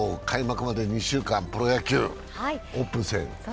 開幕まで２週間、プロ野球オープン戦。